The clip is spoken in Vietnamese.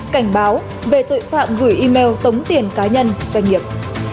cảnh báo về tội phạm gửi email tống tiền cá nhân doanh nghiệp